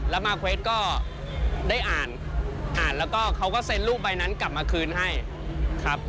แล้วมาเควดก็ได้อ่านอ่านแล้วก็เขาก็เซ็นรูปใบนั้นกลับมาคืนให้ครับ